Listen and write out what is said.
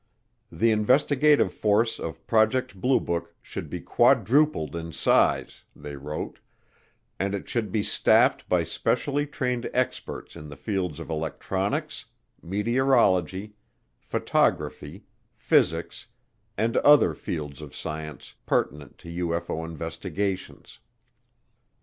The investigative force of Project Blue Book should be quadrupled in size, they wrote, and it should be staffed by specially trained experts in the fields of electronics, meteorology, photography, physics, and other fields of science pertinent to UFO investigations.